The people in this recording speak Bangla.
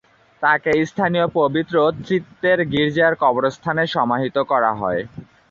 তাকে স্থানীয় পবিত্র ত্রিত্বের গির্জার কবরস্থানে সমাহিত করা হয়।